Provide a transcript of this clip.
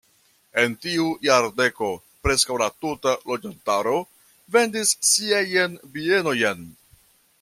En tiu jardeko preskaŭ la tuta loĝantaro vendis siajn bienojn.